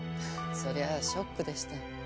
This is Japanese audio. そりゃあショックでした。